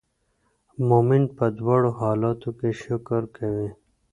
مؤمن په دواړو حالاتو کې شکر کوي.